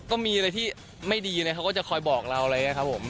ก็มีอะไรที่ไม่ดีเลยเขาก็จะคอยบอกเราอะไรอย่างนี้ครับผม